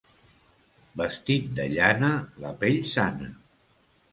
Vestit de llana la pell sana.